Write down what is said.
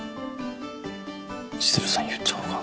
千鶴さん言っちゃうのか。